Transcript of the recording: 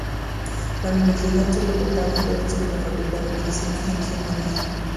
La universidad sólo contaba entonces con las facultades de medicina e ingeniería.